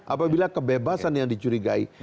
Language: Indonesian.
apabila kebebasan yang dicurigai